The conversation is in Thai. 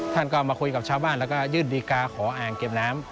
ท่านก็มาคุยกับชาวบ้านแล้วก็ยื่นดีการ์ขออ่างเก็บน้ำ